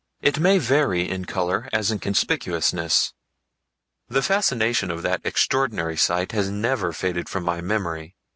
It may vary in color as in conspicuousness. The fascination of that extraordinary sight has never faded from my memory.